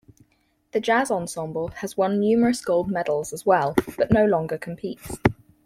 The jazz ensemble has won numerous gold medals as well, but no longer competes.